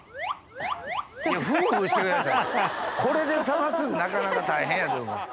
これで冷ますんなかなか大変やと思う。